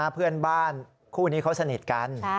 เพื่อนบ้านคู่นี้เขาสนิทกัน